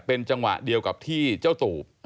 เป็นจังหวะเดียวกับที่เจ้าตูบ